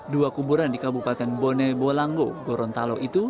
dua kuburan di kabupaten bone bolango gorontalo itu